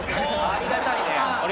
ありがたい！